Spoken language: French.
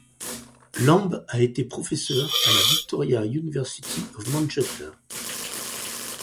Lamb a été professeur à la Victoria University of Manchester.